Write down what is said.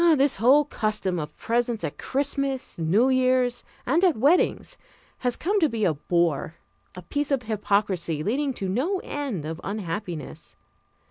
This whole custom of presents at Christmas, New Year's, and at weddings has come to be a bore, a piece of hypocrisy leading to no end of unhappiness.